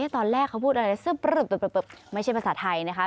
ตอนแรกเขาพูดอะไรซึบไม่ใช่ภาษาไทยนะคะ